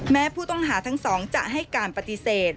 แม้ผู้ต้องหาทั้งสองจะให้การปฏิเสธ